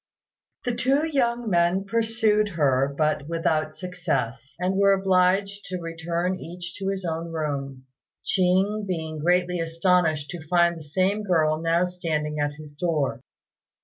The two young men pursued her, but without success, and were obliged to return each to his own room, Ching being greatly astonished to find the same girl now standing at his door.